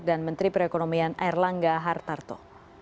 dan menteri perekonomian erlangga hartarto